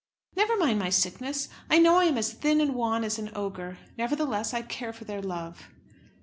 "Never mind my sickness. I know I am as thin and as wan as an ogre. Nevertheless, I care for their love."